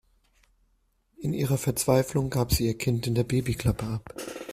In ihrer Verzweiflung gab sie ihr Kind in der Babyklappe ab.